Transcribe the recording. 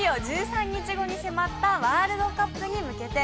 いよいよ１３日後に迫ったワールドカップに向けて。